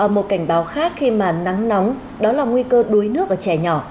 một cảnh báo khác khi mà nắng nóng đó là nguy cơ đuối nước ở trẻ nhỏ